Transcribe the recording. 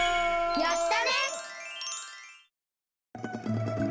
やったね！